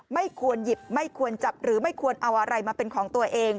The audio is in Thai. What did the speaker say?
ไม่ควรหยิบไม่ควรจับหรือไม่ควรเอาอะไรมาเป็นของตัวเอง